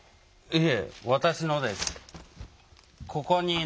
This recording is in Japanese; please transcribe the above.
ええ。